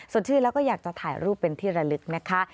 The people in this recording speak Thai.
ส่วนชื่อแล้วก็อยากจะถ่ายรูปเป็นที่ระลึกนะคะ